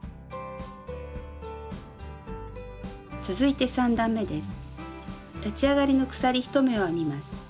続いて３段めです。